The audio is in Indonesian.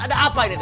ada apa ini